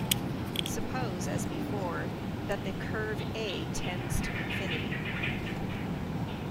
Suppose, as before, that the curve "A" tends to infinity.